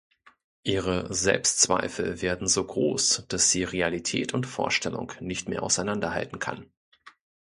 Ihre Selbstzweifel werden so groß, dass sie Realität und Vorstellung nicht mehr auseinanderhalten kann.